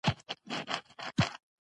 روڼ سهار